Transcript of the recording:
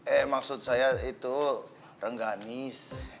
eh maksud saya itu rengganis